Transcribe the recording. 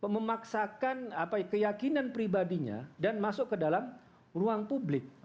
memaksakan keyakinan pribadinya dan masuk ke dalam ruang publik